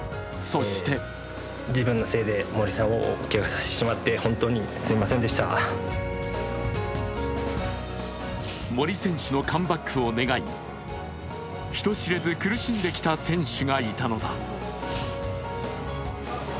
そして森選手のカムバックを願い人知れず苦しんできた選手がいたのだ。